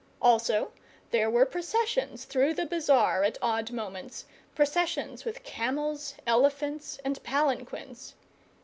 Also there were processions through the bazaar at odd moments processions with camels, elephants, and palanquins.